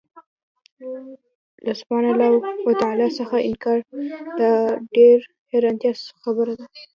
له الله سبحانه وتعالی څخه انكار د ډېري حيرانتيا خبره ده